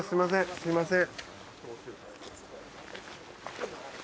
すみません。